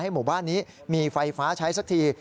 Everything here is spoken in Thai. หมู่บ้านนี้มีไฟฟ้าใช้สักที